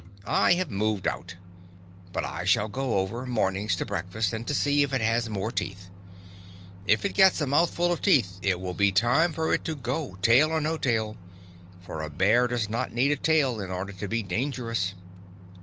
I have moved out. But I shall go over, mornings, to breakfast, and to see if it has more teeth. If it gets a mouthful of teeth, it will be time for it to go, tail or no tail, for a bear does not need a tail in order to be dangerous.